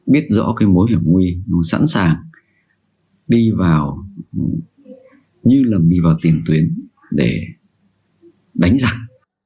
biết rõ cái mối hiểm nguy sẵn sàng đi vào như là đi vào tiềm tuyến để đánh giặc